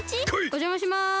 おじゃまします。